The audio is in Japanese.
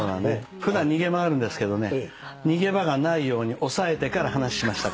普段逃げ場があるんですけどね逃げ場がないように押さえてから話しましたから。